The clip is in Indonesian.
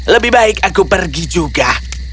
lebih baik aku pergi juga